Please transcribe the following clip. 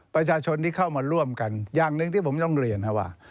ประชาชนที่เข้ามาร่วมกันอย่างหนึ่งที่ผมต้องเรียนว่า